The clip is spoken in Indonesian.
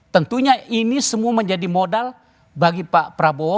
tentunya ini semua menjadi modal bagi pak prabowo